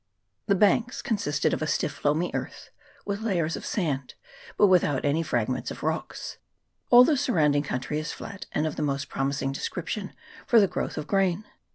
The banks consisted of a stiff loamy earth, with layers of sand, but without any fragments of rocks. All the surrounding country is flat, and of the most promising description for the growth of grain.